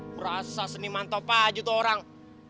merasa seni mantap aja tuh orang